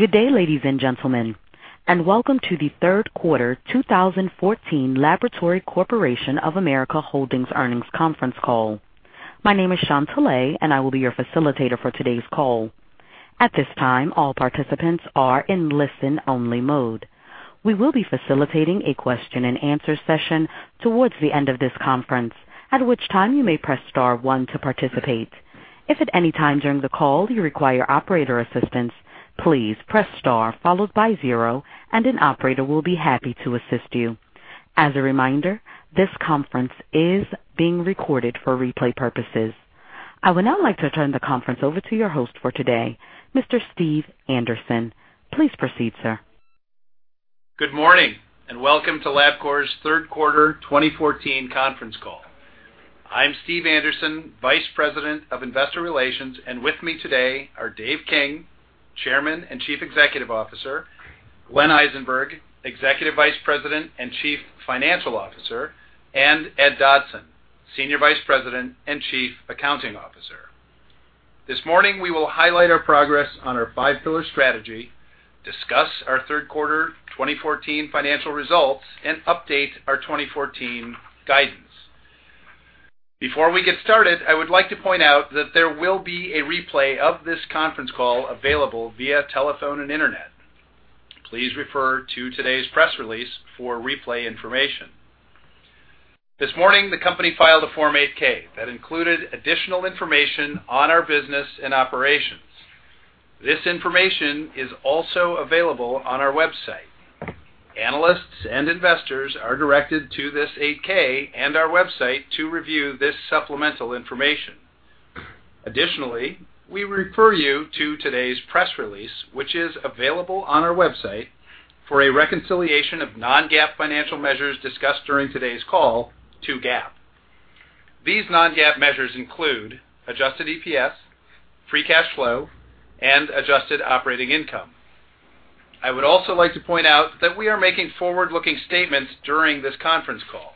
Good day, ladies and gentlemen, and welcome to the third-quarter 2014 Labcorp Holdings earnings conference call. My name is Shawn Tulay, and I will be your facilitator for today’s call. At this time, all participants are in listen-only mode. We will be facilitating a question-and-answer session toward the end of this conference, at which time you may press star one to participate. If at any time during the call you require operator assistance, please press star zero, and an operator will be happy to assist you. As a reminder, this conference is being recorded for replay purposes. I would now like to turn the conference over to your host for today, Mr. Steve Anderson. Please proceed, sir. Good morning, and welcome to Labcorp’s third-quarter 2014 conference call. I’m Steve Anderson, Vice President of Investor Relations, and with me today are Dave King, Chairman and Chief Executive Officer; Glenn Eisenberg, Executive Vice President and Chief Financial Officer; and Ed Dodson, Senior Vice President and Chief Accounting Officer. This morning, we will highlight our progress on our five-pillar strategy, discuss our third-quarter 2014 financial results, and update our 2014 guidance. Before we get started, I would like to point out that there will be a replay of this conference call available via telephone and internet. Please refer to today’s press release for replay information. This morning, the company filed a Form 8-K that included additional information on our business and operations. This information is also available on our website. Analysts and investors are directed to this 8-K and our website to review this supplemental information. Additionally, we refer you to today’s press release, which is available on our website for a reconciliation of non-GAAP financial measures discussed during today’s call to GAAP. These non-GAAP measures include adjusted EPS, free cash flow, and adjusted operating income. I would also like to point out that we are making forward-looking statements during this conference call.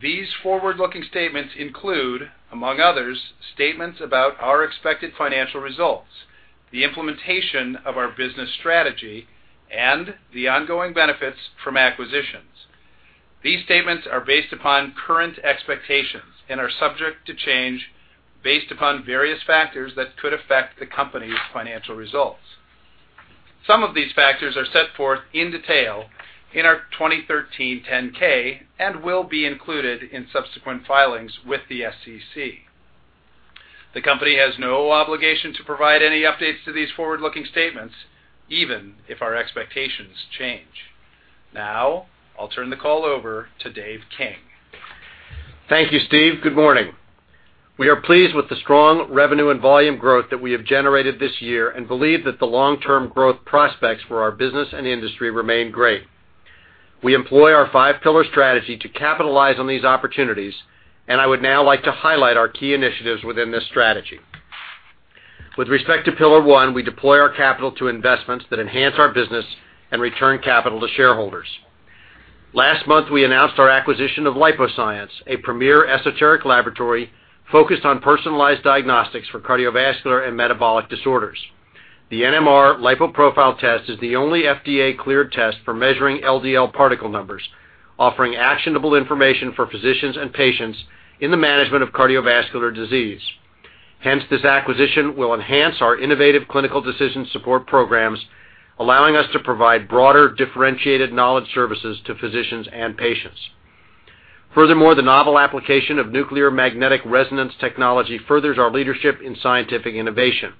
These forward-looking statements include, among others, statements about our expected financial results, the implementation of our business strategy, and the ongoing benefits from acquisitions. These statements are based upon current expectations and are subject to change based upon various factors that could affect the company’s financial results. Some of these factors are set forth in detail in our 2013 10-K and will be included in subsequent filings with the SEC. The company has no obligation to provide any updates to these forward-looking statements, even if our expectations change. Now, I'll turn the call over to Dave King. Thank you, Steve. Good morning. We are pleased with the strong revenue and volume growth that we have generated this year and believe that the long-term growth prospects for our business and industry remain great. We employ our five-pillar strategy to capitalize on these opportunities, and I would now like to highlight our key initiatives within this strategy. With respect to Pillar One, we deploy our capital to investments that enhance our business and return capital to shareholders. Last month, we announced our acquisition of LipoScience, a premier esoteric laboratory focused on personalized diagnostics for cardiovascular and metabolic disorders. The NMR LipoProfile test is the only FDA-cleared test for measuring LDL particle numbers, offering actionable information for physicians and patients in the management of cardiovascular disease. Hence, this acquisition will enhance our innovative clinical decision support programs, allowing us to provide broader, differentiated knowledge services to physicians and patients. Furthermore, the novel application of nuclear magnetic resonance technology furthers our leadership in scientific innovation.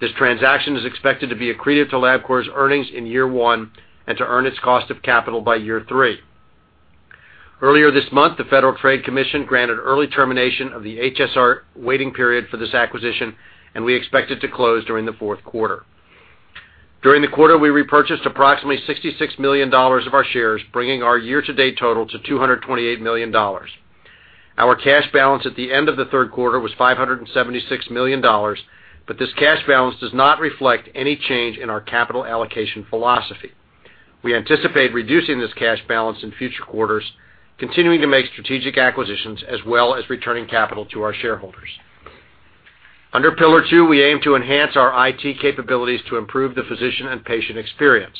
This transaction is expected to be accretive to Labcorp’s earnings in year one and to earn its cost of capital by year three. Earlier this month, the Federal Trade Commission granted early termination of the HSR waiting period for this acquisition, and we expect it to close during the fourth quarter. During the quarter, we repurchased approximately $66 million of our shares, bringing our year-to-date total to $228 million. Our cash balance at the end of the third quarter was $576 million, but this cash balance does not reflect any change in our capital allocation philosophy. We anticipate reducing this cash balance in future quarters, continuing to make strategic acquisitions as well as returning capital to our shareholders. Under Pillar Two, we aim to enhance our IT capabilities to improve the physician and patient experience.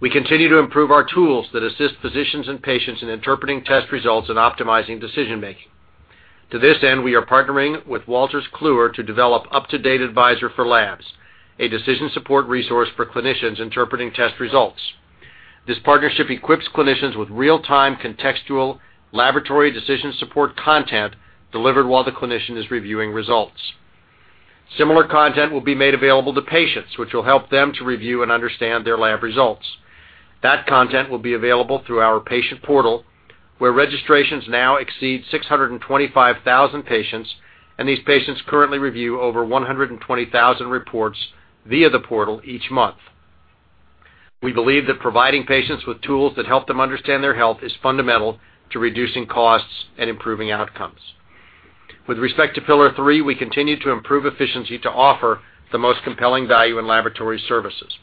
We continue to improve our tools that assist physicians and patients in interpreting test results and optimizing decision-making. To this end, we are partnering with Wolters Kluwer to develop UpToDate Advisor for Labs, a decision-support resource for clinicians interpreting test results. This partnership equips clinicians with real-time contextual laboratory decision-support content delivered while the clinician is reviewing results. Similar content will be made available to patients, which will help them to review and understand their lab results. That content will be available through our patient portal, where registrations now exceed 625,000 patients, and these patients currently review over 120,000 reports via the portal each month. We believe that providing patients with tools that help them understand their health is fundamental to reducing costs and improving outcomes. With respect to Pillar Three, we continue to improve efficiency to offer the most compelling value in laboratory services.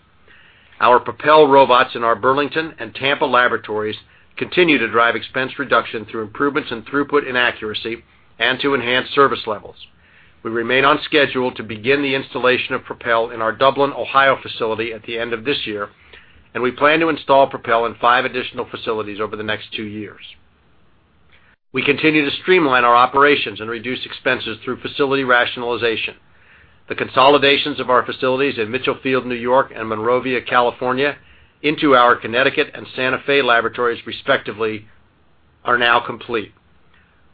Our Propel robots in our Burlington and Tampa laboratories continue to drive expense reduction through improvements in throughput and accuracy and to enhance service levels. We remain on schedule to begin the installation of Propel in our Dublin, Ohio facility at the end of this year, and we plan to install Propel in five additional facilities over the next two years. We continue to streamline our operations and reduce expenses through facility rationalization. The consolidations of our facilities in Mitchell Field, New York, and Monrovia, California, into our Connecticut and Santa Fe laboratories, respectively, are now complete.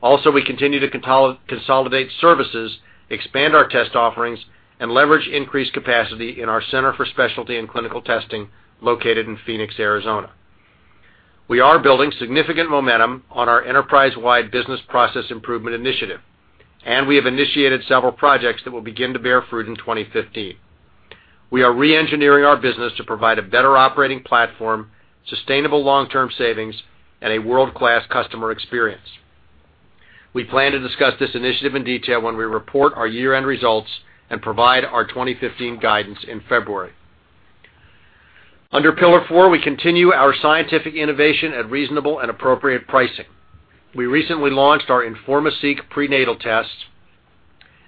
Also, we continue to consolidate services, expand our test offerings, and leverage increased capacity in our Center for Specialty and Clinical Testing, located in Phoenix, Arizona. We are building significant momentum on our enterprise-wide business process improvement initiative, and we have initiated several projects that will begin to bear fruit in 2015. We are re-engineering our business to provide a better operating platform, sustainable long-term savings, and a world-class customer experience. We plan to discuss this initiative in detail when we report our year-end results and provide our 2015 guidance in February. Under Pillar Four, we continue our scientific innovation at reasonable and appropriate pricing. We recently launched our InformaSeq prenatal test,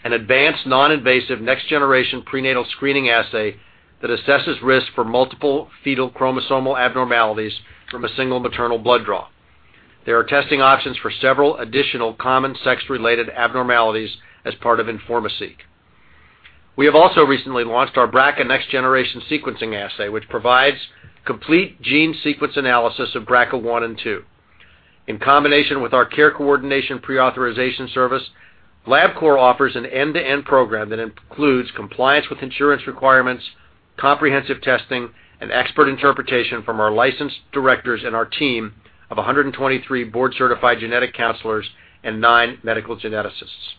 an advanced non-invasive next-generation prenatal screening assay that assesses risk for multiple fetal chromosomal abnormalities from a single maternal blood draw. There are testing options for several additional common sex-related abnormalities as part of InformaSeq. We have also recently launched our BRCA next-generation sequencing assay, which provides complete gene sequence analysis of BRCA1 and BRCA2. In combination with our care coordination pre-authorization service, Labcorp offers an end-to-end program that includes compliance with insurance requirements, comprehensive testing, and expert interpretation from our licensed directors and our team of 123 board-certified genetic counselors and nine medical geneticists.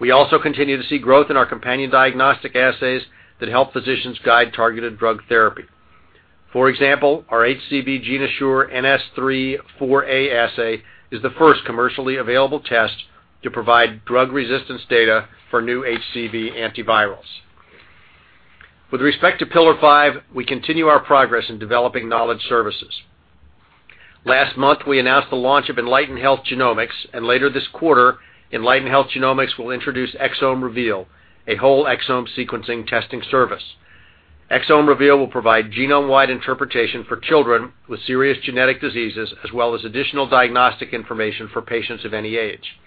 We also continue to see growth in our companion diagnostic assays that help physicians guide targeted drug therapy. For example, our HCV GeneAssure NS3 4A assay is the first commercially available test to provide drug-resistance data for new HCV antivirals. With respect to Pillar Five, we continue our progress in developing knowledge services. Last month, we announced the launch of Enlighten Health Genomics, and later this quarter, Enlighten Health Genomics will introduce Exome Reveal, a whole exome sequencing testing service. Exome Reveal will provide genome-wide interpretation for children with serious genetic diseases, as well as additional diagnostic information for patients of any age.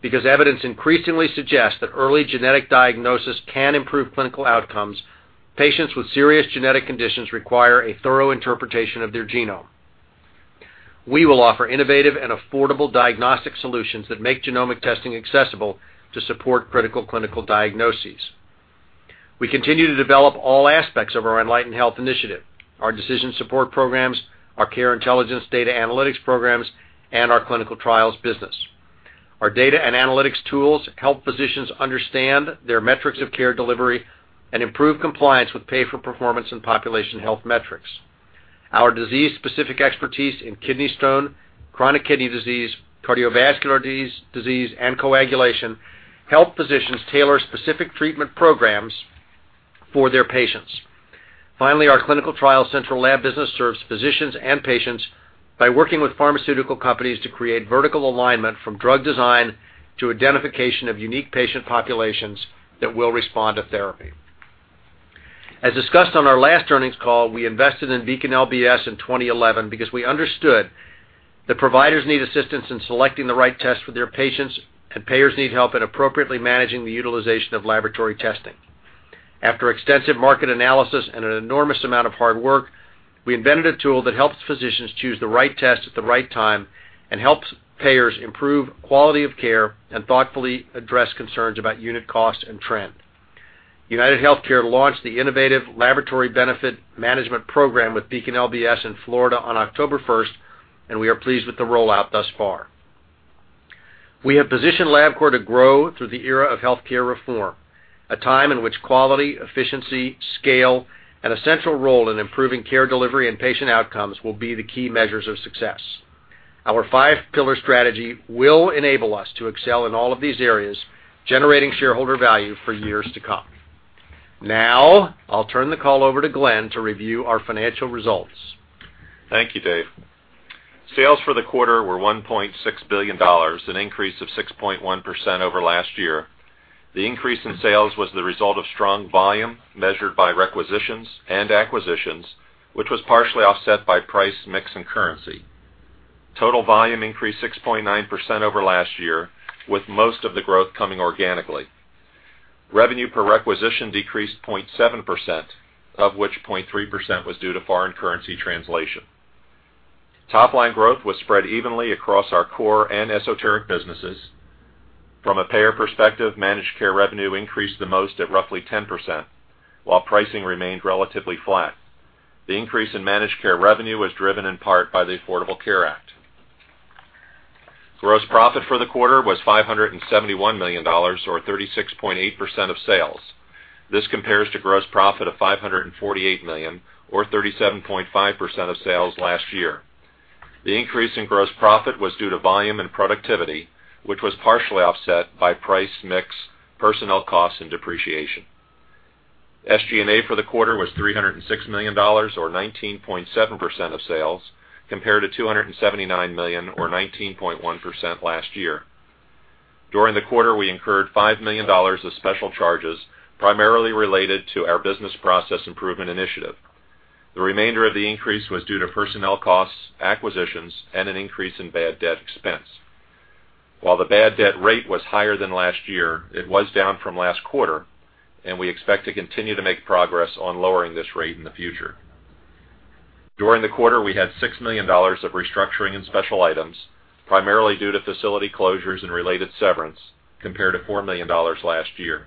Because evidence increasingly suggests that early genetic diagnosis can improve clinical outcomes, patients with serious genetic conditions require a thorough interpretation of their genome. We will offer innovative and affordable diagnostic solutions that make genomic testing accessible to support critical clinical diagnoses. We continue to develop all aspects of our Enlighten Health initiative: our decision-support programs, our care intelligence data analytics programs, and our clinical trials business. Our data and analytics tools help physicians understand their metrics of care delivery and improve compliance with pay-for-performance and population health metrics. Our disease-specific expertise in kidney stone disease, chronic kidney disease, cardiovascular disease, and coagulation helps physicians tailor specific treatment programs for their patients. Finally, our clinical trial central lab business serves physicians and patients by working with pharmaceutical companies to create vertical alignment—from drug design to identification of unique patient populations that will respond to therapy. As discussed on our last earnings call, we invested in Beacon LBS in 2011 because we understood that providers need assistance in selecting the right test for their patients, and payers need help in appropriately managing the utilization of laboratory testing. After extensive market analysis and an enormous amount of hard work, we invented a tool that helps physicians choose the right test at the right time and helps payers improve quality of care and thoughtfully address concerns about unit cost and trend. UnitedHealthcare launched the innovative laboratory benefit management program with Beacon LBS in Florida on October 1st, and we are pleased with the rollout thus far. We have positioned Labcorp to grow through the era of healthcare reform, a time in which quality, efficiency, scale, and a central role in improving care delivery and patient outcomes will be the key measures of success. Our five-pillar strategy will enable us to excel in all of these areas, generating shareholder value for years to come. Now, I’ll turn the call over to Glenn to review our financial results. Thank you, Dave. Sales for the quarter were $1.6 billion, an increase of 6.1% over last year. The increase in sales was the result of strong volume measured by requisitions and acquisitions, which was partially offset by price, mix, and currency. Total volume increased 6.9% over last year, with most of the growth coming organically. Revenue per requisition decreased 0.7%, of which 0.3% was due to foreign currency translation. Top-line growth was spread evenly across our core and esoteric businesses. From a payer perspective, managed care revenue increased the most at roughly 10%, while pricing remained relatively flat. The increase in managed care revenue was driven in part by the Affordable Care Act. Gross profit for the quarter was $571 million, or 36.8% of sales. This compares to gross profit of $548 million, or 37.5% of sales last year. The increase in gross profit was due to volume and productivity, which was partially offset by price, mix, personnel costs, and depreciation. SG&A for the quarter was $306 million, or 19.7% of sales, compared to $279 million, or 19.1% last year. During the quarter, we incurred $5 million of special charges, primarily related to our business process improvement initiative. The remainder of the increase was due to personnel costs, acquisitions, and an increase in bad debt expense. While the bad debt rate was higher than last year, it was down from last quarter, and we expect to continue to make progress on lowering this rate in the future. During the quarter, we had $6 million of restructuring and special items, primarily due to facility closures and related severance, compared to $4 million last year.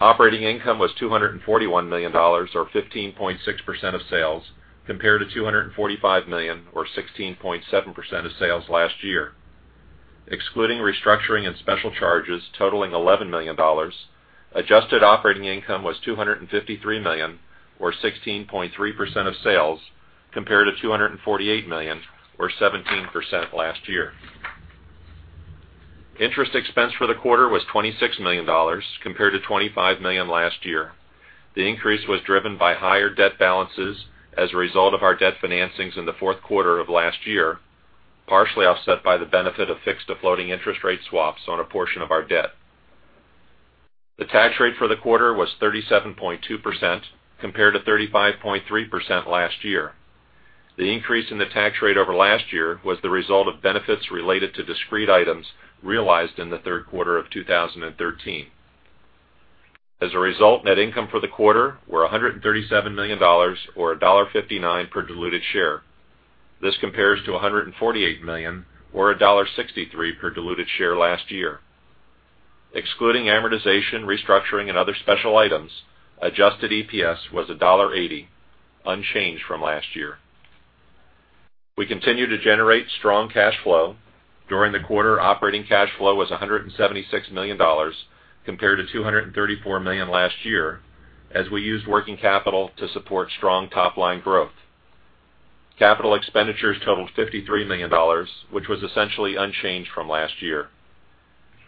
Operating income was $241 million, or 15.6% of sales, compared to $245 million, or 16.7% of sales last year. As a result, net income for the quarter was $137 million, or $1.59 per diluted share. This compares to $148 million, or $1.63 per diluted share last year. Excluding amortization, restructuring, and other special items, adjusted EPS was $1.80, unchanged from last year. We continue to generate strong cash flow. During the quarter, operating cash flow was $176 million, compared to $234 million last year, as we used working capital to support strong top-line growth. Capital expenditures totaled $53 million, which was essentially unchanged from last year.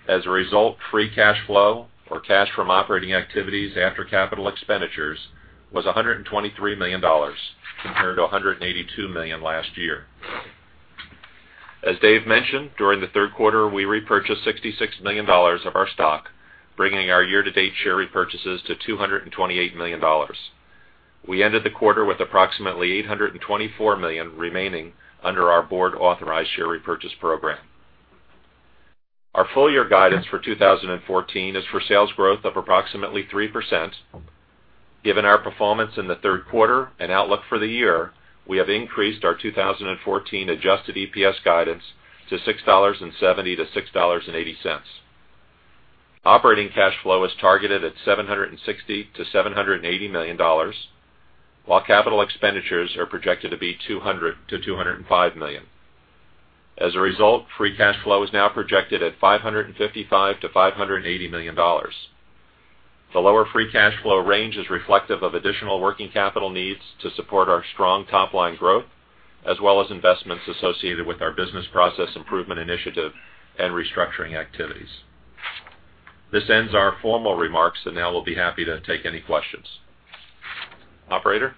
As a result, free cash flow — or cash from operating activities after capital expenditures — was $123 million, compared to $182 million last year. As Dave mentioned, during the third quarter, we repurchased $66 million of our stock, bringing our year-to-date share repurchases to $228 million. We ended the quarter with approximately $824 million remaining under our board-authorized share repurchase program. Our full-year guidance for 2014 is for sales growth of approximately 3%. Given our performance in the third quarter and outlook for the year, we have increased our 2014 adjusted EPS guidance to $6.70–$6.80. Operating cash flow is targeted at $760–$780 million, while capital expenditures are projected to be $200–$205 million. As a result, free cash flow is now projected at $555–$580 million. The lower free cash flow range is reflective of additional working capital needs to support our strong top-line growth, as well as investments associated with our business process improvement initiative and restructuring activities. This ends our formal remarks, and now we’ll be happy to take any questions. Operator?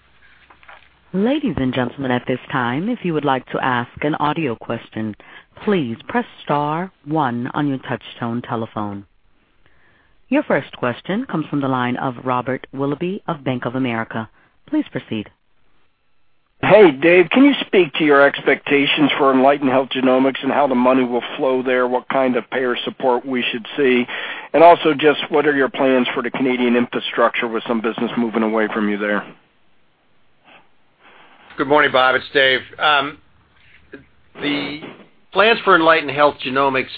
Ladies and gentlemen, at this time, if you would like to ask an audio question, please press star one on your touch-tone telephone. Your first question comes from the line of Robert Willoughby of Bank of America. Please proceed. Hey, Dave. Can you speak to your expectations for Enlighten Health Genomics and how the money will flow there — what kind of payer support we should see — and also, what are your plans for the Canadian infrastructure, with some business moving away from you there? Good morning, Bob. It’s Dave. The plans for Enlighten Health Genomics,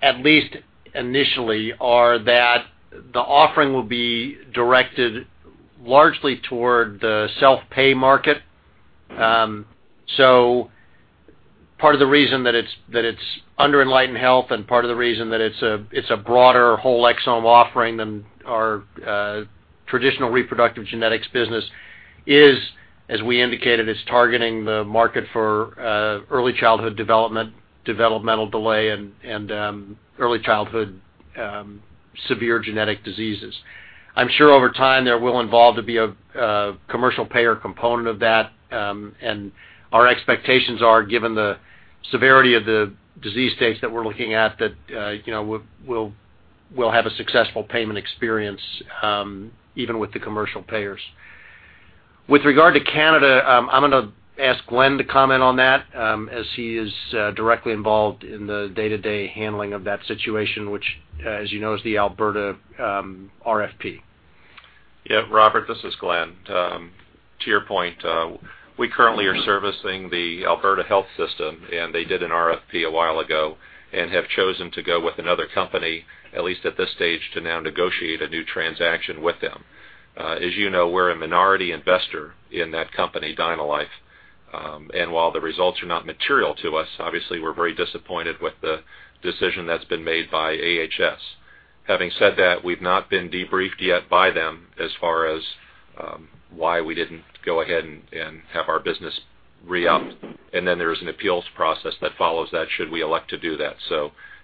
at least initially, are that the offering will be directed largely toward the self-pay market. Part of the reason that it’s under Enlighten Health — and part of the reason that it’s a broader whole exome offering than our traditional reproductive genetics business — is, as we indicated, it’s targeting the market for early childhood development, developmental delay, and early childhood severe genetic diseases. I’m sure over time there will evolve to be a commercial payer component of that, and our expectations are, given the severity of the disease states that we’re looking at, that we’ll have a successful payment experience even with the commercial payers. With regard to Canada, I’m going to ask Glenn to comment on that, as he is directly involved in the day-to-day handling of that situation — which, as you know, is the Alberta RFP. Yep. Robert, this is Glenn. To your point, we are currently servicing the Alberta Health Services system, and they did an RFP a while ago and have chosen to go with another company — at least at this stage — to now negotiate a new transaction with them. As you know, we’re a minority investor in that company, DynaLife, and while the results are not material to us, obviously, we’re very disappointed with the decision that’s been made by AHS. Having said that, we’ve not been debriefed yet by them as far as why we didn’t go ahead and have our business re-up, and then there is an appeals process that follows that should we elect to do that.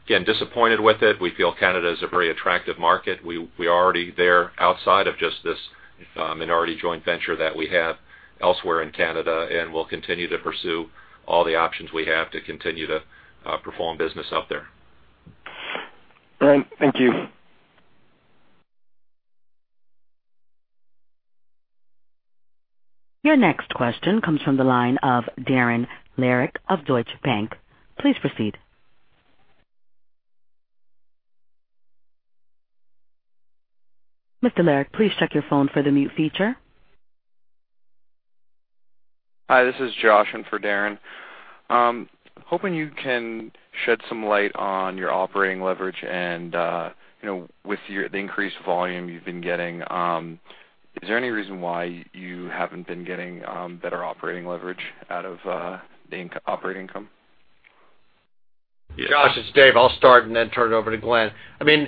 Again, disappointed with it. We feel Canada is a very attractive market. We are already there outside of just this minority joint venture that we have elsewhere in Canada, and we will continue to pursue all the options we have to continue to perform business up there. All right. Thank you. Your next question comes from the line of Josh of Deutsche Bank. Please proceed. Mr. Josh, please check your phone for the mute feature. Hi, this is Josh in for Darren. Hoping you can shed some light on your operating leverage and with the increased volume you've been getting. Is there any reason why you haven't been getting better operating leverage out of the operating income? Josh, it’s Dave. I’ll start and then turn it over to Glenn. I mean,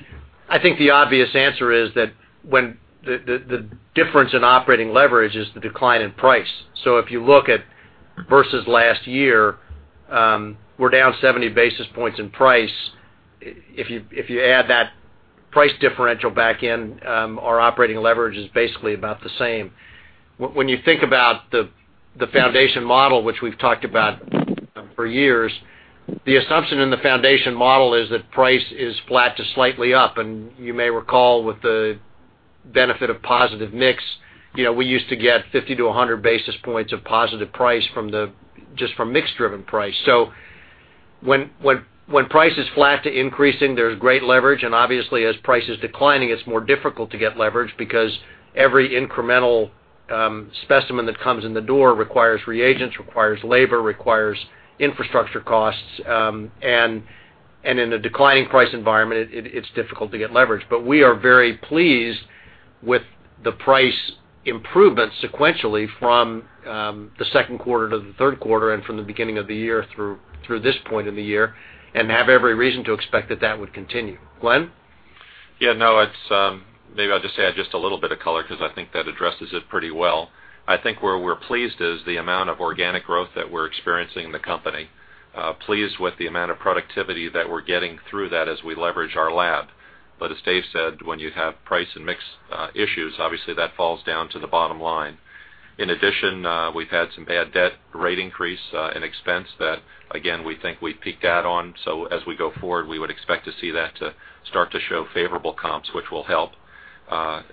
I think the obvious answer is that the difference in operating leverage is the decline in price. If you look at versus last year, we’re down 70 basis points in price. If you add that price differential back in, our operating leverage is basically about the same. When you think about the foundation model, which we’ve talked about for years, the assumption in the foundation model is that price is flat to slightly up. You may recall that with the benefit of positive mix, we used to get 50–100 basis points of positive price just from mix-driven price. When price is flat to increasing, there is great leverage — and obviously, as price is declining, it is more difficult to get leverage because every incremental specimen that comes in the door requires reagents, requires labor, requires infrastructure costs. In a declining price environment, it is difficult to get leverage. We are very pleased with the price improvement sequentially from the second quarter to the third quarter and from the beginning of the year through this point in the year, and have every reason to expect that that would continue. Glenn? Yeah. No, maybe I’ll just add a little bit of color because I think that addresses it pretty well. I think where we’re pleased is the amount of organic growth that we’re experiencing in the company, pleased with the amount of productivity that we’re getting through that as we leverage our lab. As Dave said, when you have price and mix issues, obviously, that falls down to the bottom line. In addition, we’ve had some bad debt rate increase and expense that, again, we think we peaked out on. As we go forward, we would expect to see that start to show favorable comps, which will help.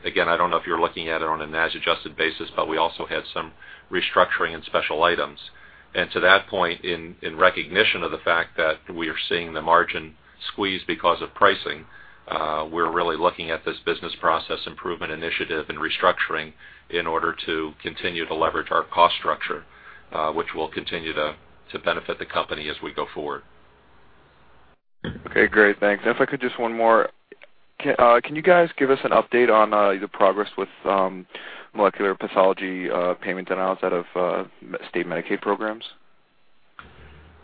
Again, I don’t know if you’re looking at it on a NASH-adjusted basis, but we also had some restructuring and special items. To that point, in recognition of the fact that we are seeing the margin squeeze because of pricing, we’re really looking at this business process improvement initiative and restructuring in order to continue to leverage our cost structure, which will continue to benefit the company as we go forward. Okay. Great. Thanks. If I could just ask one more — can you guys give us an update on the progress with molecular pathology payment denials out of state Medicaid programs?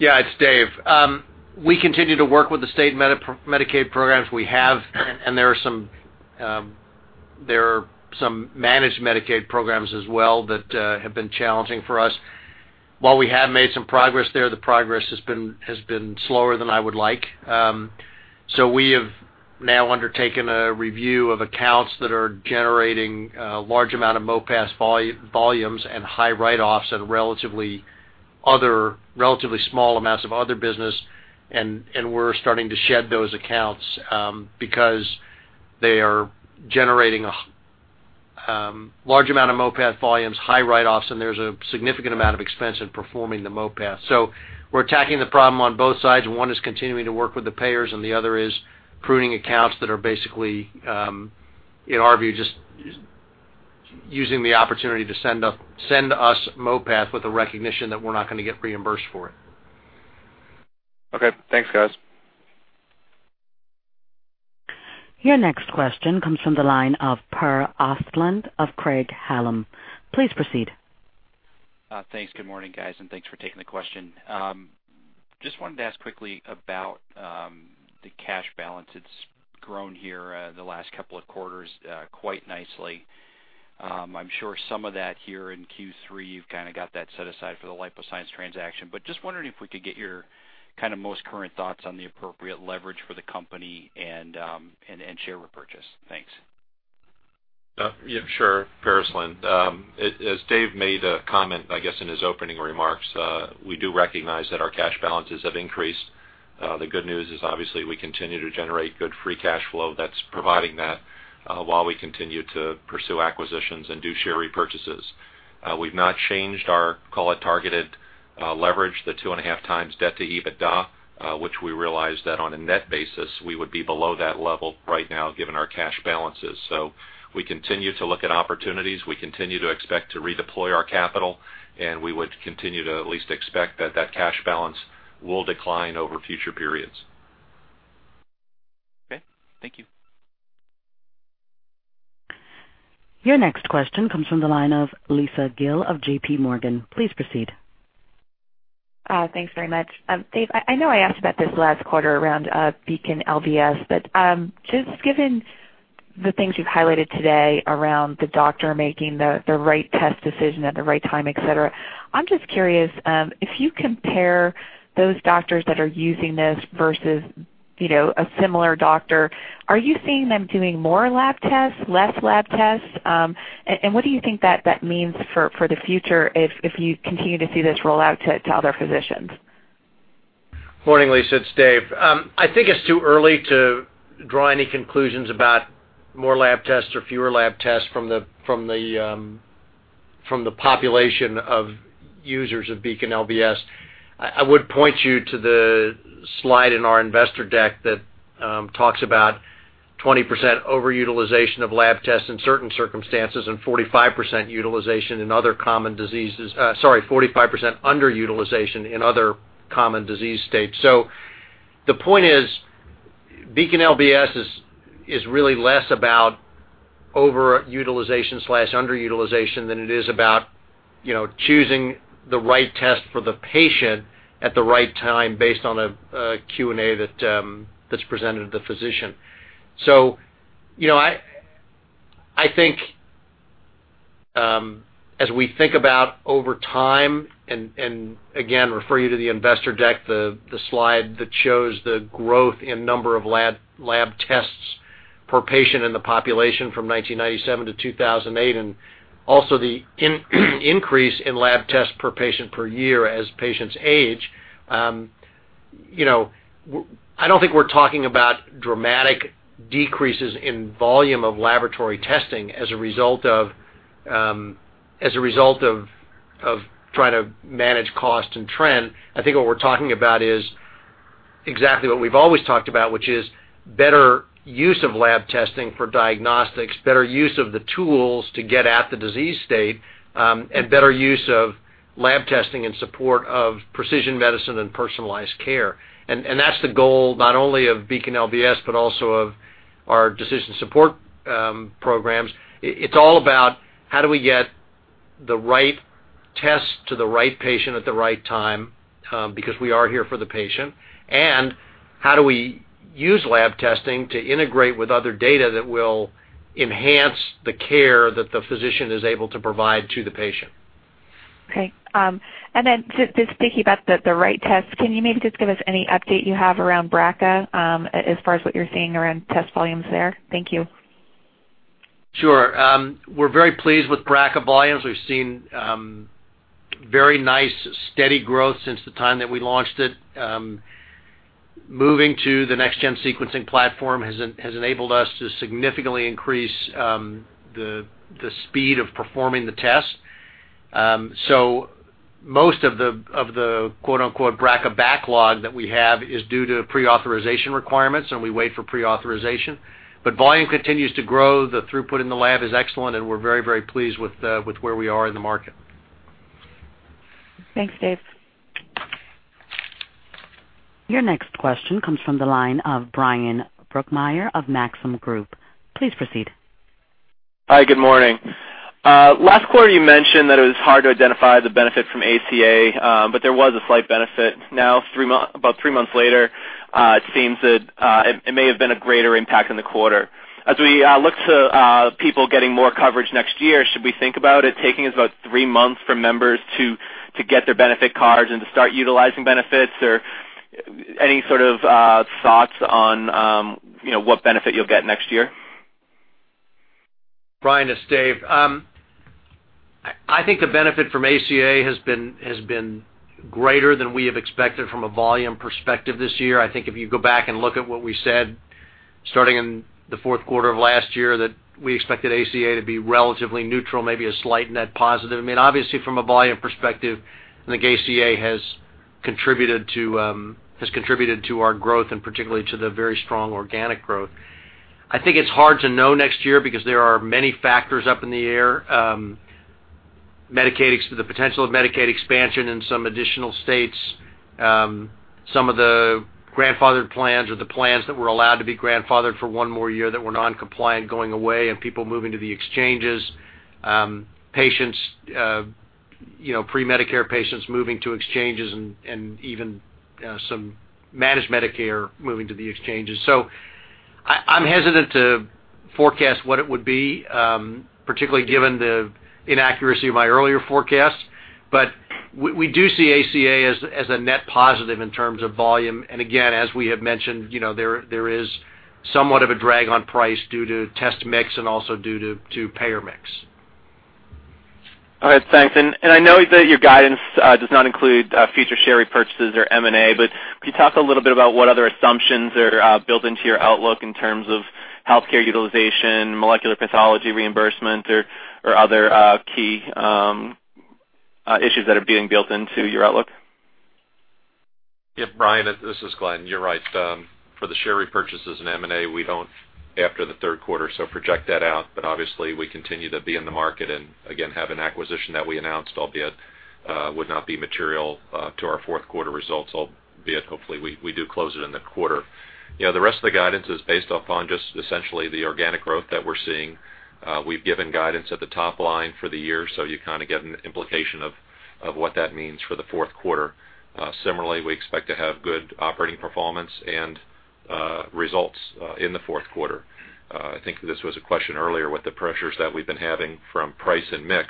Yeah. It’s Dave. We continue to work with the state Medicaid programs we have, and there are some managed Medicaid programs as well that have been challenging for us. While we have made some progress there, the progress has been slower than I would like. We have now undertaken a review of accounts that are generating a large amount of MOPAS volumes and high write-offs. We’re starting to shed those accounts because they are generating a large amount of MOPAS volumes, high write-offs, and there’s a significant amount of expense in performing the MOPAS. We’re attacking the problem on both sides. One is continuing to work with the payers, and the other is pruning accounts that are basically, in our view, just using the opportunity to send us MOPAs with a recognition that we’re not going to get reimbursed for it. Okay. Thanks, guys. Your next question comes from the line of Per Ostland of Craig-Hallum. Please proceed. Thanks. Good morning, guys, and thanks for taking the question. Just wanted to ask quickly about the cash balance. It’s grown here over the last couple of quarters quite nicely. I’m sure some of that here in Q3, you’ve kind of got that set aside for the LipoScience transaction. Just wondering if we could get your most current thoughts on the appropriate leverage for the company and share repurchase. Thanks. Yeah. Sure. Per Ostland, as Dave mentioned in his opening remarks, we do recognize that our cash balances have increased. The good news is, obviously, we continue to generate good free cash flow that’s providing capital while we continue to pursue acquisitions and do share repurchases. We’ve not changed our — call it — targeted leverage, the two and a half times debt-to-EBITDA, which we realized that on a net basis, we would be below that level right now given our cash balances. We continue to look at opportunities. We continue to expect to redeploy our capital, and we would continue to expect that that cash balance will decline over future periods. Okay. Thank you. Your next question comes from the line of Lisa Gill of J.P. Morgan. Please proceed. Thanks very much. Dave, I know I asked about this last quarter around Beacon LBS, but just given the things you’ve highlighted today around the doctor making the right test decision at the right time, etc., I’m just curious — if you compare those doctors that are using this versus a similar doctor, are you seeing them doing more lab tests, fewer lab tests? What do you think that means for the future if you continue to see this roll out to other physicians? Morning, Lisa. It’s Dave. I think it’s too early to draw any conclusions about more lab tests or fewer lab tests from the population of users of Beacon LBS. I would point you to the slide in our investor deck that talks about 20% over-utilization of lab tests in certain circumstances and 45% under-utilization in other common disease states. The point is, Beacon LBS is really less about over-utilization or under-utilization than it is about choosing the right test for the patient at the right time, based on a Q&A that’s presented to the physician. I think as we think about over time and, again, refer you to the investor deck — the slide that shows the growth in number of lab tests per patient in the population from 1997 to 2008, and also the increase in lab tests per patient per year as patients age — I do not think we are talking about dramatic decreases in volume of laboratory testing as a result of trying to manage cost and trend. I think what we are talking about is exactly what we have always talked about: better use of lab testing for diagnostic choices, better use of the tools to get at the disease state, and better use of lab testing in support of precision medicine and personalized care. That is the goal not only of Beacon LBS, but also of our decision support programs. It’s all about how we get the right test to the right patient at the right time because we are here for the patient, and how we use lab testing to integrate with other data that will enhance the care the physician is able to provide to the patient Okay. And then, just thinking about the right tests, can you maybe give us any update you have around BRCA as far as what you’re seeing around test volumes there? Thank you. Sure. We’re very pleased with BRCA volumes. We’ve seen very nice steady growth since the time that we launched it. Moving to the next-generation sequencing platform has enabled us to significantly increase the speed of performing the test. Most of the BRCA backlog that we have is due to pre-authorization requirements, and we wait for pre-authorization. Volume continues to grow. The throughput in the lab is excellent, and we’re very, very pleased with where we are in the market. Thanks, Dave. Your next question comes from the line of Brian Brookmeyer of Maxim Group. Please proceed. Hi. Good morning. Last quarter, you mentioned that it was hard to identify the benefit from ACA, but there was a slight benefit. Now, about three months later, it seems that it may have been a greater impact in the quarter. As we look to people getting more coverage next year, should we think about it taking us about three months for members to get their benefit cards and to start utilizing benefits? Or any sort of thoughts on what benefit you’ll get next year? Brian, it’s Dave. I think the benefit from ACA has been greater than we have expected from a volume perspective this year. I think if you go back and look at what we said starting in the fourth quarter of last year that we expected ACA to be relatively neutral, maybe a slight net positive. I mean, obviously, from a volume perspective, I think ACA has contributed to our growth and particularly to the very strong organic growth. I think it’s hard to know next year because there are many factors up in the air: the potential of Medicaid expansion in some additional states, some of the grandfathered plans or the plans that were allowed to be grandfathered for one more year that were non-compliant going away, and people moving to the exchanges, pre-Medicare patients moving to exchanges, and even some managed Medicare moving to the exchanges. I’m hesitant to forecast what it would be, particularly given the inaccuracy of my earlier forecast. We do see ACA as a net positive in terms of volume. Again, as we have mentioned, there is somewhat of a drag on price due to test mix and also due to payer mix. All right. Thanks. I know that your guidance does not include future share repurchases or M&A, but could you talk a little bit about what other assumptions are built into your outlook in terms of healthcare utilization, molecular pathology reimbursement, or other key issues that are being built into your outlook? Yeah. Brian, this is Glenn. You’re right. For the share repurchases and M&A, we don’t. After the third quarter, so project that out. Obviously, we continue to be in the market and, again, have an acquisition that we announced, albeit it would not be material to our fourth-quarter results, albeit hopefully we do close it in the quarter. The rest of the guidance is based upon just essentially the organic growth that we’re seeing. We’ve given guidance at the top line for the year, so you kind of get an implication of what that means for the fourth quarter. Similarly, we expect to have good operating performance and results in the fourth quarter. I think this was a question earlier with the pressures that we’ve been having from price and mix.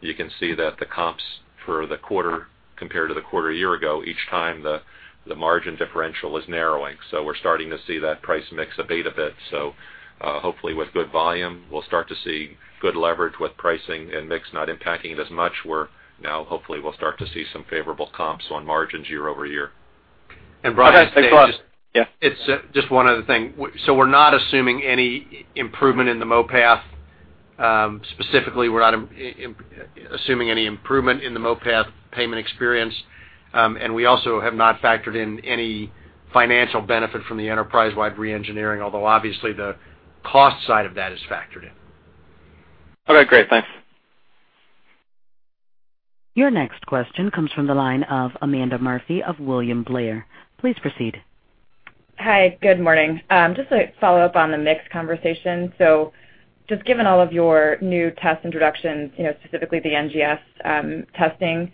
You can see that the comps for the quarter compared to the quarter a year ago, each time the margin differential is narrowing. We’re starting to see that price mix abate a bit. Hopefully, with good volume, we’ll start to see good leverage with pricing and mix not impacting it as much. Hopefully, we’ll start to see some favorable comps on margins year over year. Brian, thanks a lot. Yeah. It’s just one other thing. We’re not assuming any improvement in the MOPAS. Specifically, we’re not assuming any improvement in the MOPAS payment experience. We also have not factored in any financial benefit from the enterprise-wide reengineering, although obviously, the cost side of that is factored in. Okay. Great. Thanks. Your next question comes from the line of Amanda Murphy of William Blair. Please proceed. Hi. Good morning. Just to follow up on the mix conversation. So just given all of your new test introductions, specifically the NGS testing,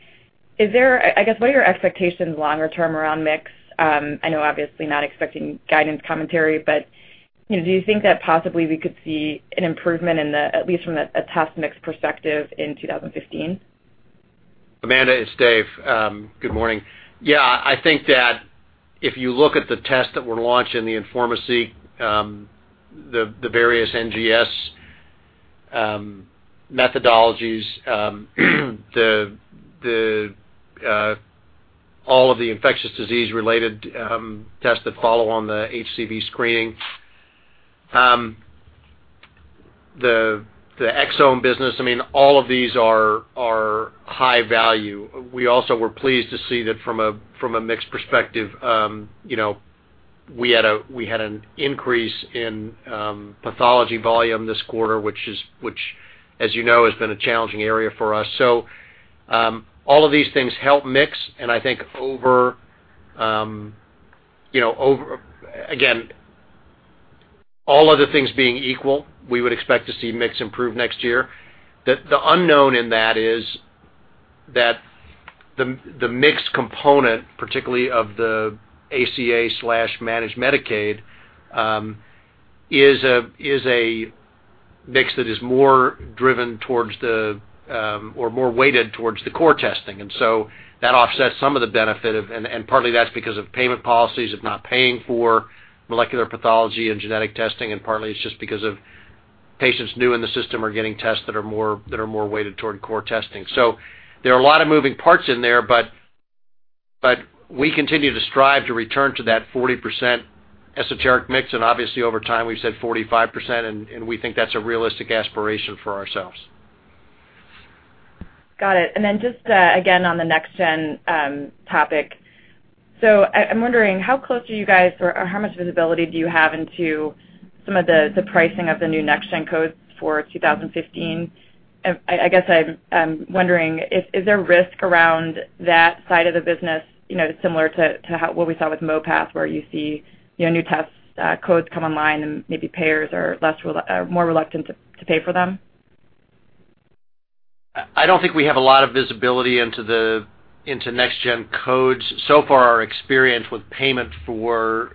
I guess, what are your expectations longer term around mix? I know, obviously, not expecting guidance commentary, but do you think that possibly we could see an improvement, at least from a test mix perspective, in 2015? Amanda, it's Dave. Good morning. Yeah. I think that if you look at the tests that we're launching, the InformaSeq, the various NGS methodologies, all of the infectious disease-related tests that follow on the HCV screening, the exome business, I mean, all of these are high value. We also were pleased to see that from a mix perspective, we had an increase in pathology volume this quarter, which, as you know, has been a challenging area for us. So all of these things help mix. I think, again, all other things being equal, we would expect to see mix improve next year. The unknown in that is that the mix component, particularly of the ACA/managed Medicaid, is a mix that is more driven towards or more weighted towards the core testing. That offsets some of the benefit of, and partly that’s because of payment policies of not paying for molecular pathology and genetic testing, and partly it’s just because of patients new in the system are getting tests that are more weighted toward core testing. There are a lot of moving parts in there, but we continue to strive to return to that 40% esoteric mix. Obviously, over time, we’ve said 45%, and we think that’s a realistic aspiration for ourselves. Got it. Just again on the next-gen topic, I’m wondering, how close are you guys or how much visibility do you have into some of the pricing of the new next-gen codes for 2015? I guess I’m wondering, is there risk around that side of the business similar to what we saw with MOPAS where you see new test codes come online and maybe payers are more reluctant to pay for them? I don’t think we have a lot of visibility into next-gen codes. So far, our experience with payment for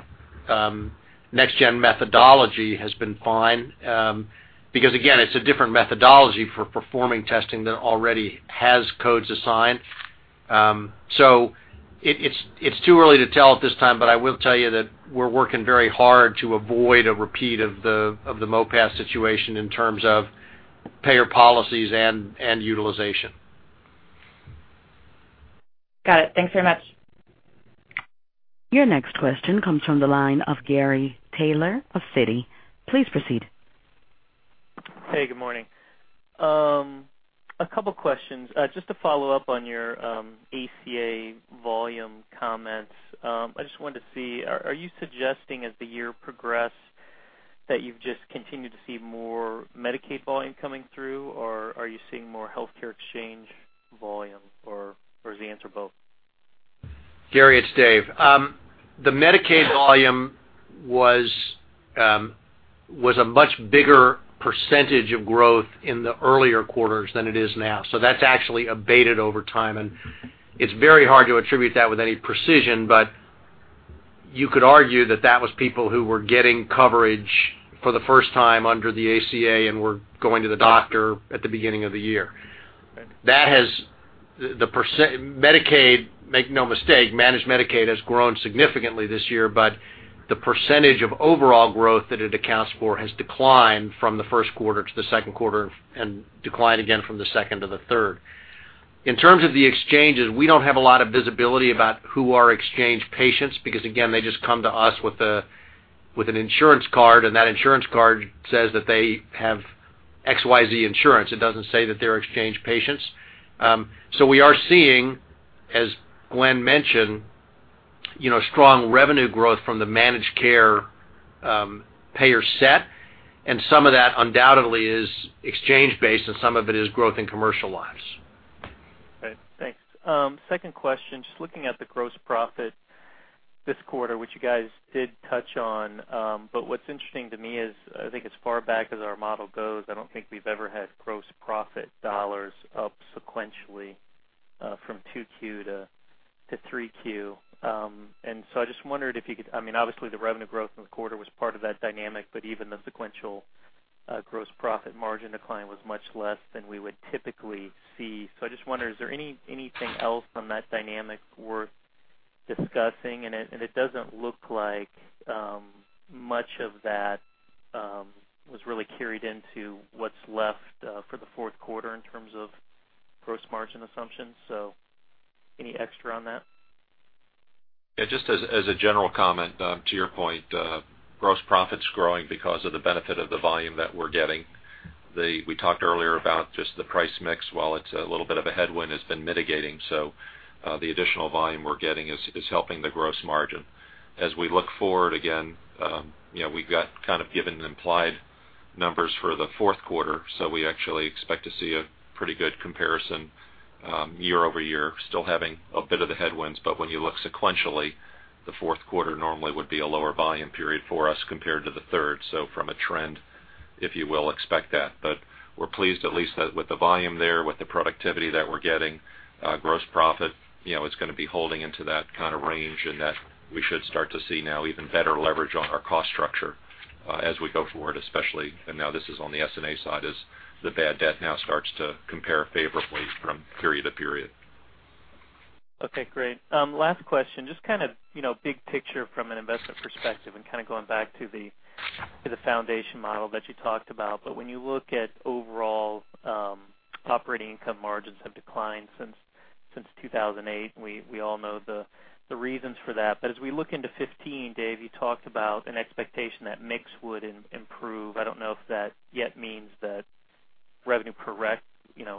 next-gen methodology has been fine because, again, it’s a different methodology for performing testing that already has codes assigned. It’s too early to tell at this time, but I will tell you that we’re working very hard to avoid a repeat of the MOPAS situation in terms of payer policies and utilization. Got it. Thanks very much. Your next question comes from the line of Gary Taylor of Citigroup. Please proceed. Hey. Good morning. A couple of questions. Just to follow up on your ACA volume comments, I just wanted to see, are you suggesting as the year progressed that you've just continued to see more Medicaid volume coming through, or are you seeing more healthcare exchange volume, or is the answer both? Gary, it’s Dave. The Medicaid volume was a much bigger percentage of growth in the earlier quarters than it is now. That’s actually abated over time. It’s very hard to attribute that with any precision, but you could argue that that was people who were getting coverage for the first time under the ACA and were going to the doctor at the beginning of the year. The % Medicaid, make no mistake, managed Medicaid has grown significantly this year, but the % of overall growth that it accounts for has declined from the first quarter to the second quarter and declined again from the second to the third. In terms of the exchanges, we don’t have a lot of visibility about who are exchange patients because, again, they just come to us with an insurance card, and that insurance card says that they have XYZ insurance. It doesn’t say that they’re exchange patients. We are seeing, as Glenn mentioned, strong revenue growth from the managed care payer set, and some of that undoubtedly is exchange-based, and some of it is growth in commercial lives. Okay. Thanks. Second question, just looking at the gross profit this quarter, which you guys did touch on, but what's interesting to me is I think as far back as our model goes, I don't think we've ever had gross profit dollars up sequentially from 2Q to 3Q. I just wondered if you could—I mean, obviously, the revenue growth in the quarter was part of that dynamic, but even the sequential gross profit margin decline was much less than we would typically see. I just wonder, is there anything else on that dynamic worth discussing? It doesn't look like much of that was really carried into what's left for the fourth quarter in terms of gross margin assumptions. Any extra on that? Yeah. Just as a general comment to your point, gross profit’s growing because of the benefit of the volume that we’re getting. We talked earlier about just the price mix. While it’s a little bit of a headwind, it’s been mitigating. So the additional volume we’re getting is helping the gross margin. As we look forward, again, we’ve got kind of given implied numbers for the fourth quarter, so we actually expect to see a pretty good comparison year over year, still having a bit of the headwinds. When you look sequentially, the fourth quarter normally would be a lower-volume period for us compared to the third. From a trend, if you will, expect that. We’re pleased, at least, with the volume there, with the productivity that we’re getting. Gross profit is going to be holding into that kind of range, and we should start to see now even better leverage on our cost structure as we go forward, especially—now this is on the S&A side—as the bad debt now starts to compare favorably from period to period. Okay. Great. Last question. Just kind of big picture from an investment perspective and kind of going back to the foundation model that you talked about. But when you look at overall operating income margins have declined since 2008, we all know the reasons for that. But as we look into 2015, Dave, you talked about an expectation that mix would improve. I do not know if that yet means that revenue per rec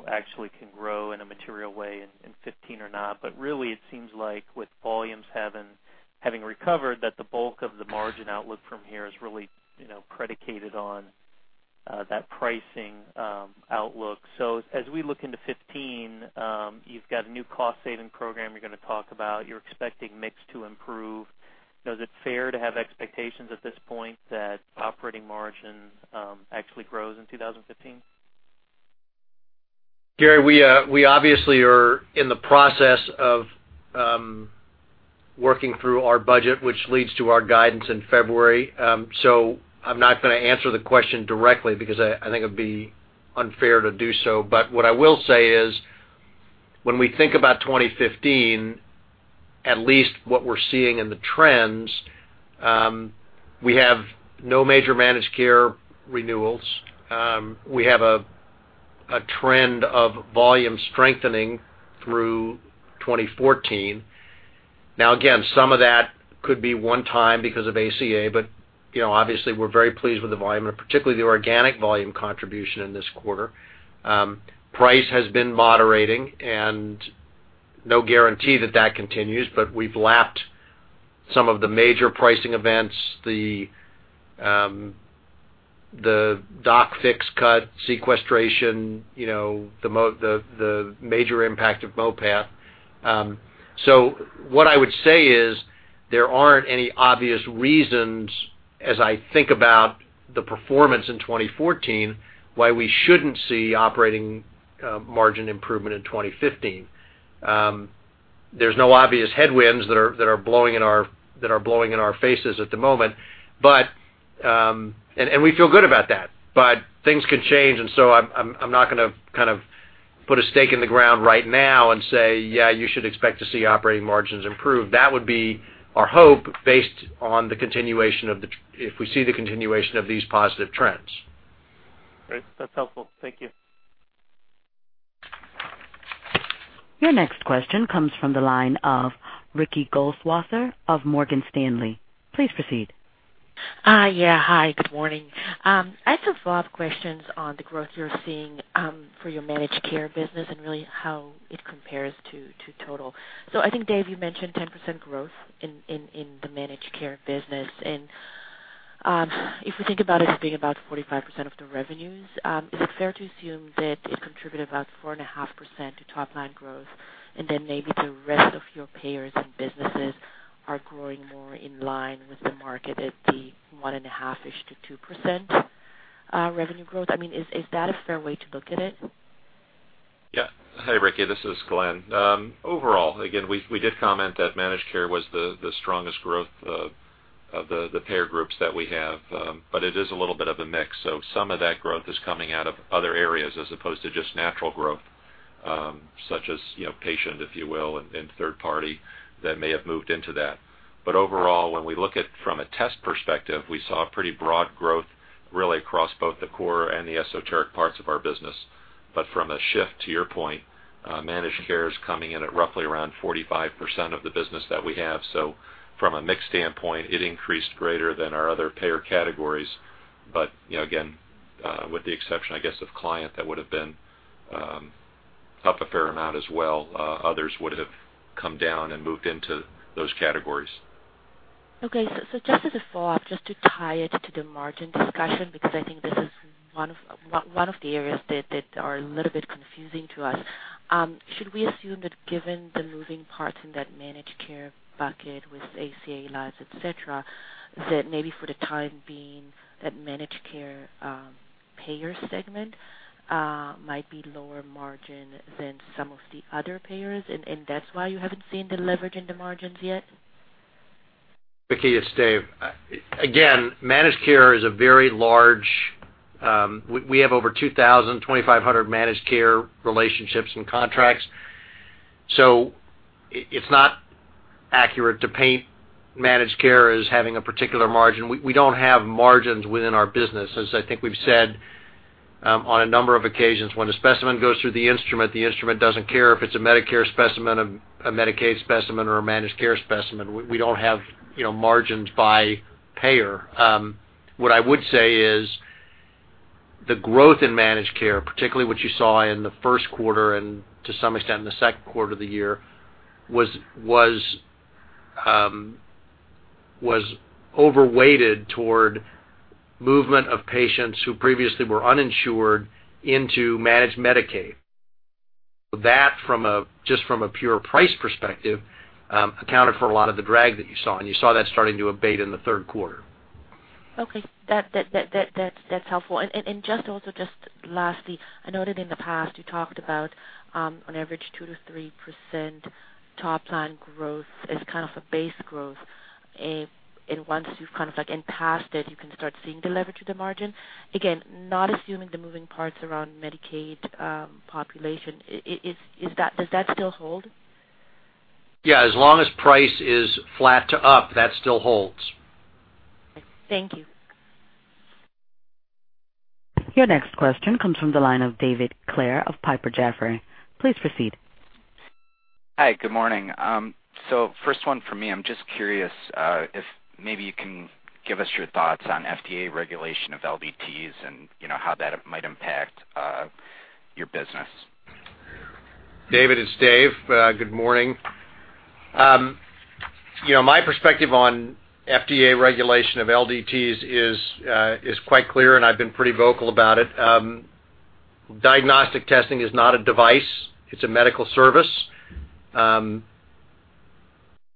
actually can grow in a material way in 2015 or not. But really, it seems like with volumes having recovered, that the bulk of the margin outlook from here is really predicated on that pricing outlook. So as we look into 2015, you have got a new cost-saving program you are going to talk about. You are expecting mix to improve. Is it fair to have expectations at this point that operating margin actually grows in 2015? Gary, we obviously are in the process of working through our budget, which leads to our guidance in February. I’m not going to answer the question directly because I think it would be unfair to do so. What I will say is when we think about 2015, at least what we’re seeing in the trends, we have no major managed care renewals. We have a trend of volume strengthening through 2014. Now, again, some of that could be one time because of ACA, but obviously, we’re very pleased with the volume and particularly the organic volume contribution in this quarter. Price has been moderating, and no guarantee that that continues, but we’ve lapped some of the major pricing events, the doc fix cut, sequestration, the major impact of MOPAS. What I would say is there aren’t any obvious reasons, as I think about the performance in 2014, why we shouldn’t see operating margin improvement in 2015. There are no obvious headwinds that are blowing in our faces at the moment, and we feel good about that. Things can change, and so I’m not going to kind of put a stake in the ground right now and say, ‘Yeah, you should expect to see operating margins improve.’ That would be our hope based on the continuation of the—if we see the continuation of these positive trends. Great. That's helpful. Thank you. Your next question comes from the line of Ricky Goldswasser of Morgan Stanley. Please proceed. Yeah. Hi. Good morning. I just have a lot of questions on the growth you’re seeing for your managed care business and really how it compares to total. So I think, Dave, you mentioned 10% growth in the managed care business. And if we think about it as being about 45% of the revenues, is it fair to assume that it contributed about 4.5% to top-line growth, and then maybe the rest of your payers and businesses are growing more in line with the market at the 1.5%–2% revenue growth? I mean, is that a fair way to look at it? Yeah. Hi, Ricky. This is Glenn. Overall, again, we did comment that managed care was the strongest growth of the payer groups that we have, but it is a little bit of a mix. Some of that growth is coming out of other areas as opposed to just natural growth, such as patient, if you will, and third party that may have moved into that. Overall, when we look at it from a test perspective, we saw pretty broad growth really across both the core and the esoteric parts of our business. From a shift, to your point, managed care is coming in at roughly around 45% of the business that we have. From a mix standpoint, it increased greater than our other payer categories. Again, with the exception, I guess, of client, that would have been up a fair amount as well. Others would have come down and moved into those categories. Okay. Just as a follow-up, just to tie it to the margin discussion because I think this is one of the areas that are a little bit confusing to us, should we assume that given the moving parts in that managed care bucket with ACA lives, etc., that maybe for the time being that managed care payer segment might be lower margin than some of the other payers, and that’s why you haven’t seen the leverage in the margins yet? Ricky, it’s Dave. Again, managed care is a very large— we have over 2,000–2,500 managed care relationships and contracts. It is not accurate to paint managed care as having a particular margin. We do not have margins within our business, as I think we have said on a number of occasions. When a specimen goes through the instrument, the instrument does not care if it is a Medicare specimen, a Medicaid specimen, or a managed care specimen. We do not have margins by payer. What I would say is that in managed care, particularly what you saw in the first quarter and to some extent in the second quarter of the year, was overweighted toward movement of patients who previously were uninsured into managed Medicaid. That just from a pure price perspective accounted for a lot of the drag that you saw, and you saw that starting to abate in the third quarter Okay. That's helpful. Just also just lastly, I know that in the past you talked about on average 2-3% top-line growth as kind of a base growth. Once you've kind of like passed it, you can start seeing the leverage of the margin. Again, not assuming the moving parts around Medicaid population, does that still hold? Yeah. As long as price is flat to up, that still holds. Thank you. Your next question comes from the line of David Clair of Piper Jaffray. Please proceed. Hi. Good morning. First one for me, I'm just curious if maybe you can give us your thoughts on FDA regulation of LDTs and how that might impact your business. David, it’s Dave. Good morning. My perspective on FDA regulation of LDTs is quite clear, and I’ve been pretty vocal about it. Diagnostic testing is not a device. It’s a medical service.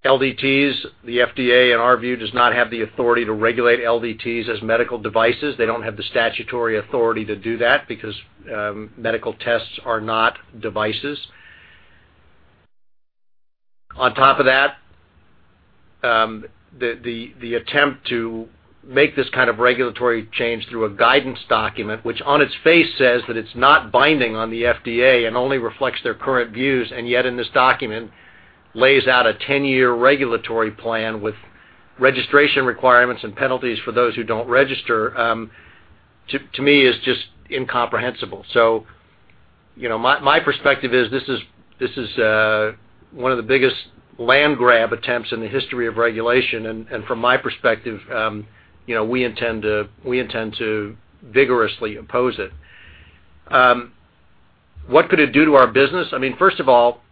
LDTs, the FDA in our view does not have the authority to regulate LDTs as medical devices. They don’t have the statutory authority to do that because medical tests are not devices. On top of that, the attempt to make this kind of regulatory change through a guidance document, which on its face says that it’s not binding on the FDA and only reflects their current views, and yet in this document lays out a 10-year regulatory plan with registration requirements and penalties for those who don’t register, to me is just incomprehensible. My perspective is this is one of the biggest land-grab attempts in the history of regulation, and from my perspective, we intend to vigorously oppose it. What could it do to our business? I mean, first of all,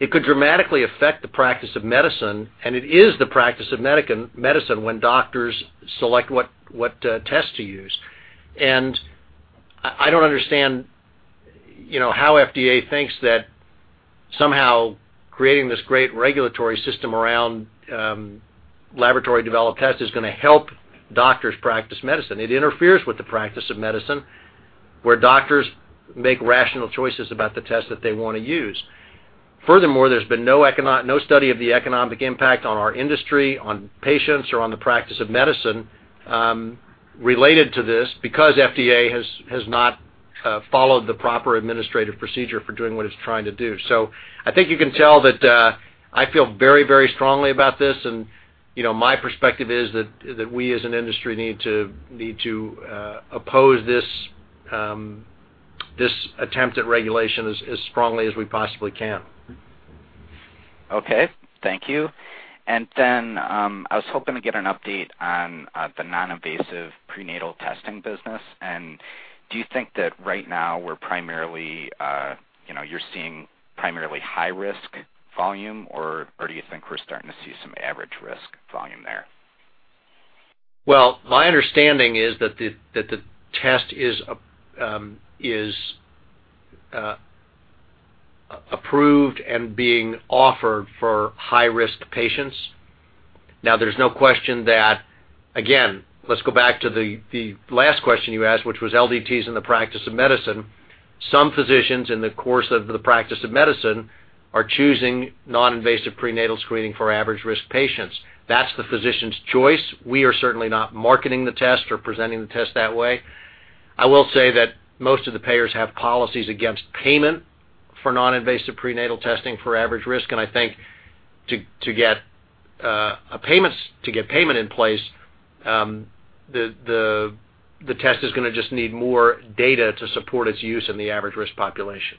it could dramatically affect the practice of medicine, and it is the practice of medicine when doctors select what test to use. I don’t understand how FDA thinks that somehow creating this great regulatory system around laboratory-developed tests is going to help doctors practice medicine. It interferes with the practice of medicine where doctors make rational choices about the test that they want to use. Furthermore, there’s been no study of the economic impact on our industry, on patients, or on the practice of medicine related to this because FDA has not followed the proper administrative procedure for doing what it’s trying to do. I think you can tell that I feel very, very strongly about this, and my perspective is that we as an industry need to oppose this attempt at regulation as strongly as we possibly can. Okay. Thank you. I was hoping to get an update on the non-invasive prenatal testing business. Do you think that right now we're primarily—you are seeing primarily high-risk volume, or do you think we're starting to see some average-risk volume there? My understanding is that the test is approved and being offered for high-risk patients. Now, there is no question that—again, let’s go back to the last question you asked, which was LDTs in the practice of medicine. Some physicians in the course of the practice of medicine are choosing non-invasive prenatal screening for average-risk patients. That is the physician’s choice. We are certainly not marketing the test or presenting the test that way. I will say that most of the payers have policies against payment for non-invasive prenatal testing for average risk, and I think to get payment in place, the test is going to just need more data to support its use in the average-risk population.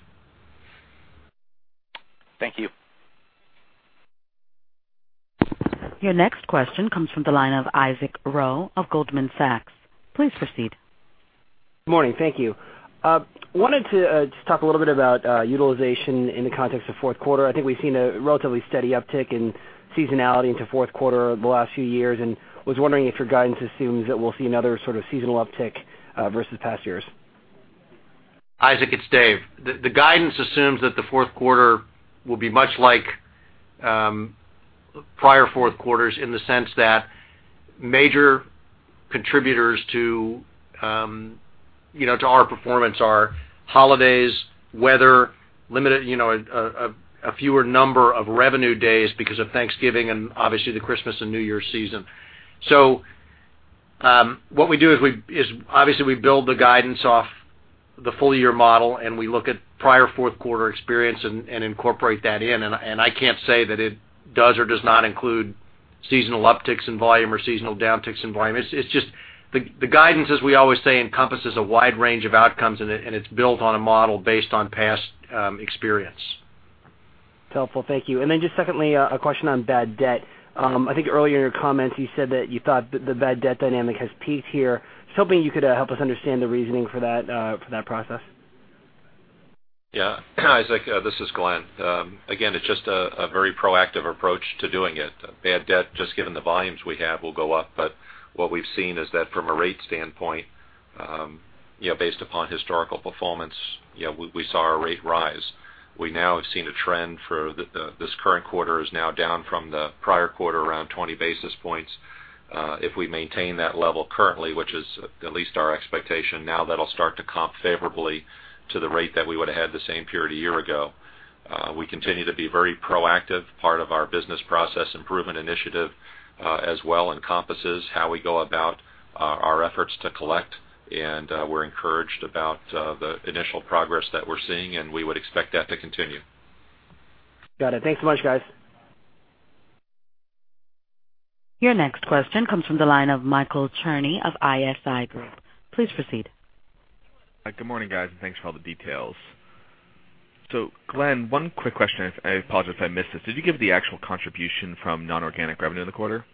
Thank you. Your next question comes from the line of Isaac Rowe of Goldman Sachs. Please proceed. Good morning. Thank you. I wanted to talk a little bit about utilization in the context of fourth quarter. I think we've seen a relatively steady uptick in seasonality into fourth quarter the last few years, and was wondering if your guidance assumes that we'll see another sort of seasonal uptick versus past years. Isaac, it’s Dave. The guidance assumes that the fourth quarter will be much like prior fourth quarters in the sense that major contributors to our performance are holidays, weather, a fewer number of revenue days because of Thanksgiving and obviously the Christmas and New Year’s season. What we do is obviously we build the guidance off the full-year model, and we look at prior fourth quarter experience and incorporate that in. I can’t say that it does or does not include seasonal upticks in volume or seasonal downticks in volume. It’s just the guidance, as we always say, encompasses a wide range of outcomes, and it’s built on a model based on past experience. That’s helpful. Thank you. Then just secondly, a question on bad debt. I think earlier in your comments, you said that you thought the bad debt dynamic has peaked here. Just hoping you could help us understand the reasoning for that process Yeah. Hi, Isaac. This is Glenn. Again, it's just a very proactive approach to doing it. Bad debt, just given the volumes we have, will go up. What we've seen is that from a rate standpoint, based upon historical performance, we saw our rate rise. We now have seen a trend for this current quarter is now down from the prior quarter around 20 basis points. If we maintain that level currently, which is at least our expectation, now that'll start to comp favorably to the rate that we would have had the same period a year ago. We continue to be a very proactive part of our business process improvement initiative as well, encompasses how we go about our efforts to collect, and we're encouraged about the initial progress that we're seeing, and we would expect that to continue. Got it. Thanks so much, guys. Your next question comes from the line of Michael Cherney of ISI Group. Please proceed. Good morning, guys, and thanks for all the details. Glen, one quick question. I apologize if I missed this. Did you give the actual contribution from non-organic revenue in the quarter?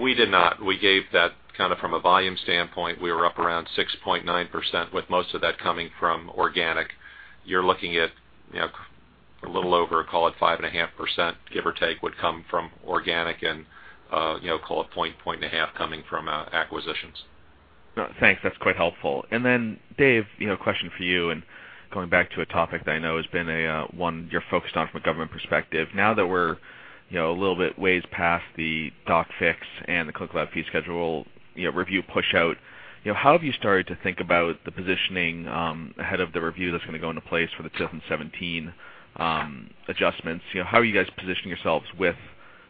We did not. We gave that kind of from a volume standpoint. We were up around 6.9% with most of that coming from organic. You're looking at a little over, call it 5.5%, give or take, would come from organic and call it 0.5% coming from acquisitions. Thanks. That's quite helpful. Dave, a question for you. Going back to a topic that I know has been one you're focused on from a government perspective. Now that we're a little bit ways past the doc fix and the clinical fee schedule review pushout, how have you started to think about the positioning ahead of the review that's going to go into place for the 2017 adjustments? How are you guys positioning yourselves with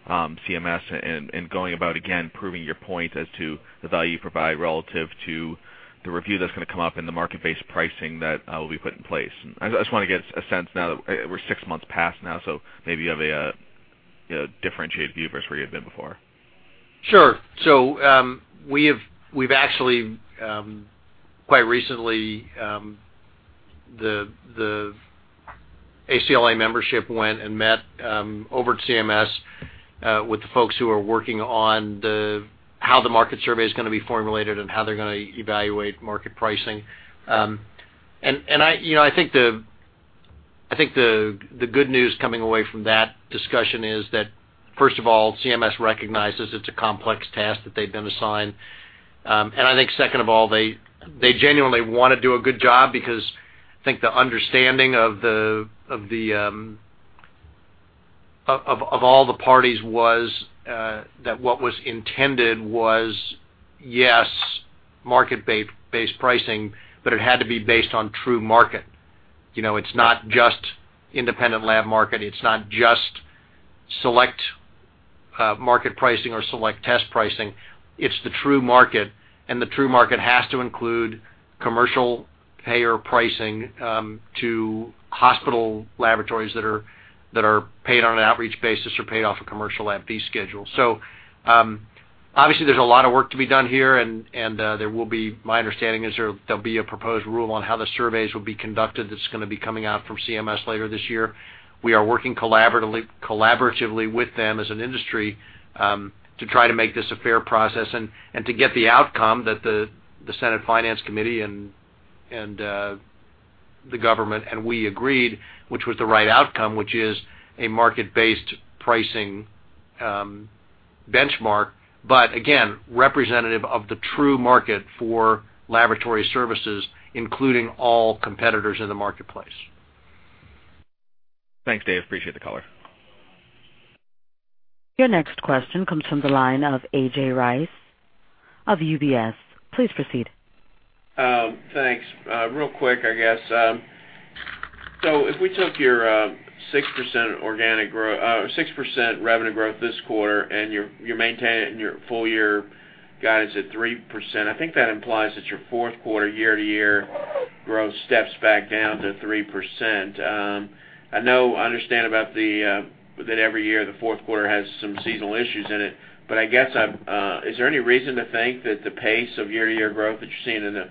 CMS and going about, again, proving your point as to the value you provide relative to the review that's going to come up and the market-based pricing that will be put in place? I just want to get a sense now that we're six months past now, so maybe you have a differentiated view versus where you had been before. Sure. So we've actually quite recently, the ACLA membership went and met over at CMS with the folks who are working on how the market survey is going to be formulated and how they're going to evaluate market pricing. I think the good news coming away from that discussion is that, first of all, CMS recognizes it's a complex task that they've been assigned. I think, second of all, they genuinely want to do a good job because I think the understanding of all the parties was that what was intended was, yes, market-based pricing, but it had to be based on true market. It's not just independent lab market. It's not just select market pricing or select test pricing. It’s the true market, and the true market has to include commercial payer pricing to hospital laboratories that are paid on an outreach basis or paid off a commercial lab fee schedule. Obviously, there’s a lot of work to be done here, and there will be, my understanding is there’ll be a proposed rule on how the surveys will be conducted that’s going to be coming out from CMS later this year. We are working collaboratively with them as an industry to try to make this a fair process and to get the outcome that the Senate Finance Committee and the government and we agreed, which was the right outcome, which is a market-based pricing benchmark, but again, representative of the true market for laboratory services, including all competitors in the marketplace. Thanks, Dave. Appreciate the color. Your next question comes from the line of AJ Rice of UBS. Please proceed. Thanks. Real quick, I guess. If we took your 6% organic growth or 6% revenue growth this quarter and you're maintaining your full-year guidance at 3%, I think that implies that your fourth quarter year-to-year growth steps back down to 3%. I know I understand that every year the fourth quarter has some seasonal issues in it, but I guess is there any reason to think that the pace of year-to-year growth that you're seeing in the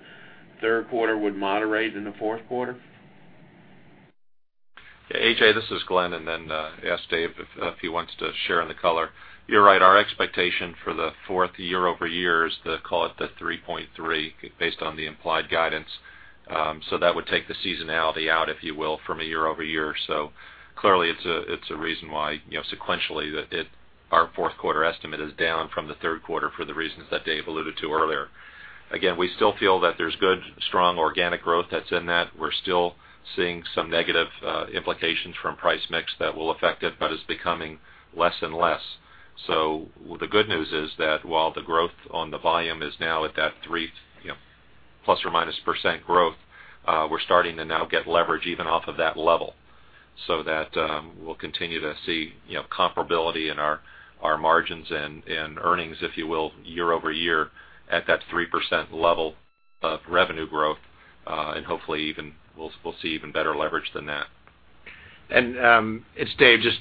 third quarter would moderate in the fourth quarter? AJ, this is Glenn, and then ask Dave if he wants to share in the color. You're right. Our expectation for the fourth year-over-year is to call it the 3.3 based on the implied guidance. That would take the seasonality out, if you will, from a year-over-year. Clearly, it's a reason why sequentially our fourth quarter estimate is down from the third quarter for the reasons that Dave alluded to earlier. Again, we still feel that there's good, strong organic growth that's in that. We're still seeing some negative implications from price mix that will affect it, but it's becoming less and less. The good news is that while the growth on the volume is now at that 3 plus or minus % growth, we're starting to now get leverage even off of that level. That we’ll continue to see comparability in our margins and earnings, if you will, year-over-year at that 3% level of revenue growth, and hopefully we’ll see even better leverage than that. It’s Dave. Just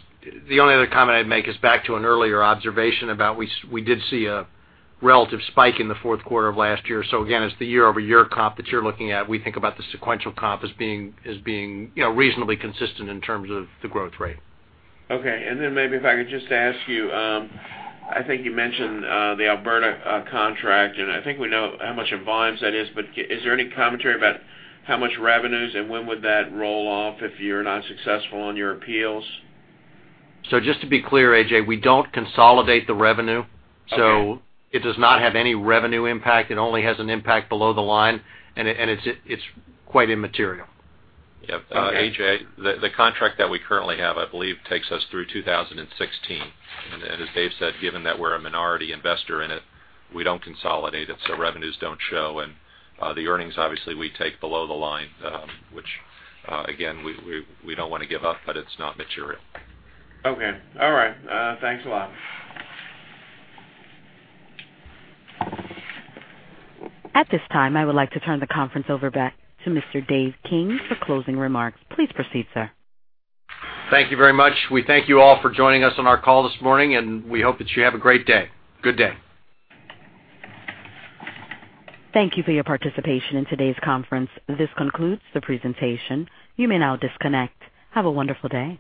the only other comment I’d make is to look back to an earlier observation about we did see a relative spike in the fourth quarter of last year. Again, it’s the year-over-year comp that you’re looking at. We think about the sequential comp as being reasonably consistent in terms of the growth rate. Okay. And then maybe if I could just ask you, I think you mentioned the Alberta contract, and I think we know how much in volumes that is, but is there any commentary about how much revenues and when would that roll off if you're not successful on your appeals? Just to be clear, AJ, we do not consolidate the revenue, so it does not have any revenue impact. It only has an impact below the line, and it is quite immaterial. Yep. AJ, the contract that we currently have, I believe, takes us through 2016. As Dave said, given that we're a minority investor in it, we don't consolidate it, so revenues don't show. The earnings, obviously, we take below the line, which again, we don't want to give up, but it's not material. Okay. All right. Thanks a lot. At this time, I would like to turn the conference over back to Mr. Dave King for closing remarks. Please proceed, sir. Thank you very much. We thank you all for joining us on our call this morning, and we hope that you have a great day. Good day. Thank you for your participation in today's conference. This concludes the presentation. You may now disconnect. Have a wonderful day.